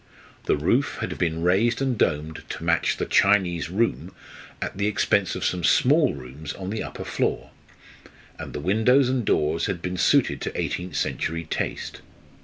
The roof had been raised and domed to match the "Chinese room," at the expense of some small rooms on the upper floor; and the windows and doors had been suited to eighteenth century taste.